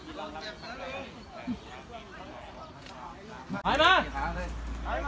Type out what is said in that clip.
กลับมาเมื่อเวลาเมื่อเวลา